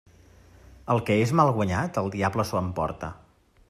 El que és mal guanyat, el diable s'ho emporta.